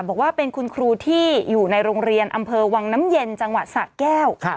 บอกว่าเป็นคุณครูที่อยู่ในโรงเรียนอำเภอวังน้ำเย็นจังหวัดสะแก้ว